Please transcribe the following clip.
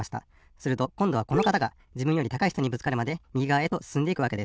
するとこんどはこのかたがじぶんより高いひとにぶつかるまでみぎがわへとすすんでいくわけです。